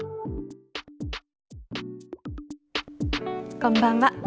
こんばんは。